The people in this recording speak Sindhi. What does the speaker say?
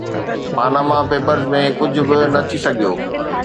پاناما پيپرز ۾ ڪجهه به نه ٿي سگهيو.